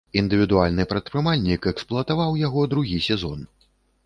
Індывідуальны прадпрымальнік эксплуатаваў яго другі сезон.